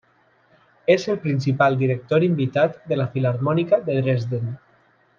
És el principal director invitat de la Filharmònica de Dresden.